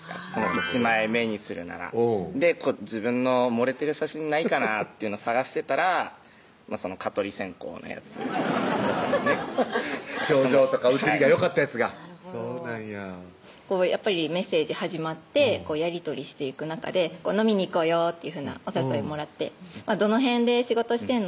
１枚目にするならうん自分の盛れてる写真ないかなっていうの探してたらその蚊取り線香のやつ表情とか写りがよかったやつがそうなんややっぱりメッセージ始まってやり取りしていく中で「飲みに行こうよ」っていうふうなお誘いもらって「どの辺で仕事してんの？」